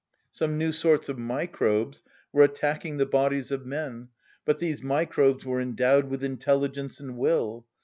Some new sorts of microbes were attacking the bodies of men, but these microbes were endowed with intelligence and will.